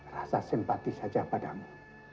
rasa simpati saja padamu